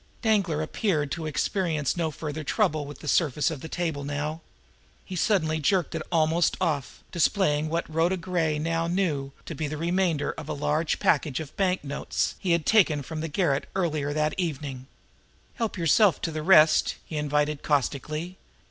Danglar appeared to experience no further trouble with the surface of the table now. He suddenly jerked it almost off, displaying what Rhoda Gray now knew to be the remainder of the large package of banknotes he had taken from the garret earlier in the evening. "Help yourself to the rest!" he invited caustically.